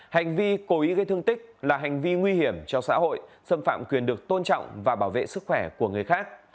hành vi cố ý gây thương tích là hành vi nguy hiểm cho xã hội xâm phạm quyền được tôn trọng và bảo vệ sức khỏe của người khác